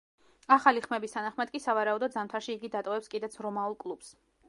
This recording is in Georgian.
ახალი ხმების თანახმად კი სავარაუდოდ ზამთარში იგი დატოვებს კიდეც რომაულ კლუბს.